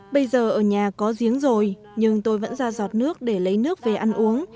bây giờ ở nhà có giếng rồi nhưng tôi vẫn ra giọt nước để lấy nước về ăn uống